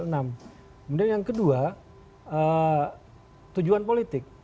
kemudian yang kedua tujuan politik